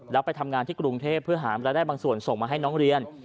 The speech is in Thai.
แล้วไปทำงานที่กรุงเทพเพื่อหารายได้บางส่วนส่งมาให้น้องเรียน